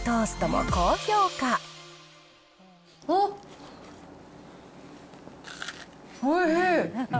あっ、おいしい。